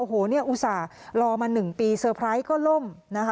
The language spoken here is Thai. โอ้โหนี่อุตส่าห์รอมา๑ปีสเตอร์ไพรส์ก็ล่ม